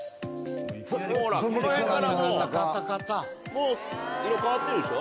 もう色変わってるでしょ。